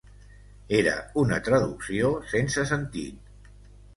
Era una traducció sense sentit.